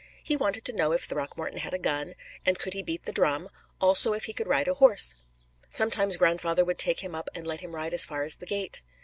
He wanted to know if Throckmorton had a gun, and could he beat the drum; also, if he could ride a horse. Sometimes grandfather would take him up and let him ride as far as the gate.